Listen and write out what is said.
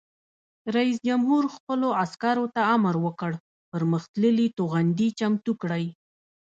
رئیس جمهور خپلو عسکرو ته امر وکړ؛ پرمختللي توغندي چمتو کړئ!